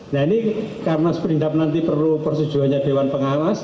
nah ini karena seperindap nanti perlu persetujuannya dewan pengawas